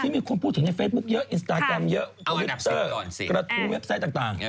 มีคนพูดถึงในเฟซบุ๊คเยอะอินสตาแกรมเยอะทวิตเตอร์กระทู้เว็บไซต์ต่าง